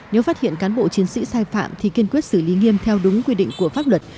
nếu phát hiện cán bộ chiến sĩ sai phạm thì kiên quyết xử lý nghiêm theo đúng quy định của pháp luật